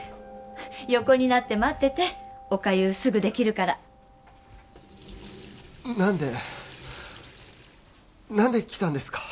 横になって待ってておかゆすぐできるから何で何で来たんですか？